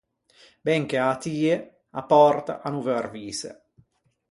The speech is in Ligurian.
Ben che â tie, a pòrta a no veu arvîse.